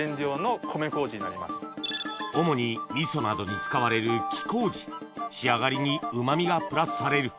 主に味噌などに使われる黄麹仕上がりに旨味がプラスされる